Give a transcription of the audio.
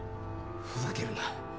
ふざけるな。